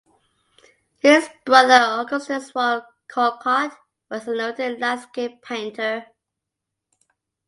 His brother, Augustus Wall Callcott, was a noted landscape painter.